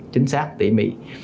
chính xác tỉ mỉ